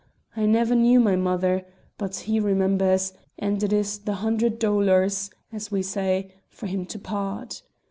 I never knew my mother, mothruaigh! but he remembers, and it is the hundred dolours (as we say) for him to part.